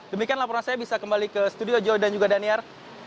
demikian laporan saya bisa kembali ke studio joy dan juga daniar